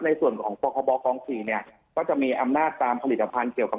ในส่วนของปคบกองขี่เนี่ยก็จะมีอำนาจตามผลิตภัณฑ์เกี่ยวกับ